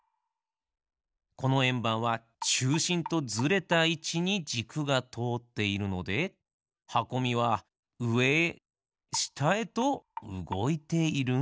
このえんばんはちゅうしんとずれたいちにじくがとおっているのではこみはうえへしたへとうごいているんですね。